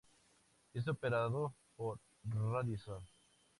Es operado por Radisson.